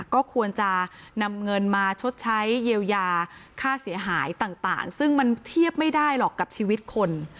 ก็ควรจะนำเงินมาชดใช้เยียวยาค่าเสียหายต่างซึ่งมันเทียบไม่ได้หรอกกับชีวิตคน